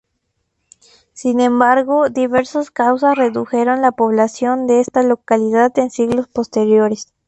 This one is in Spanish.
Sin embargo, diversas causas redujeron la población de esta localidad en los siglos posteriores.